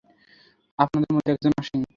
আপনাদের মধ্যে একজন আসেন।